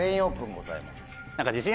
ございます。